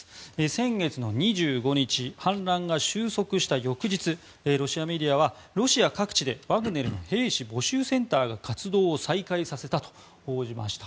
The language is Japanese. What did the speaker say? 先月の２５日反乱が収束した翌日ロシアメディアはロシア各地でワグネルの兵士募集センターが活動を再開させたと報じました。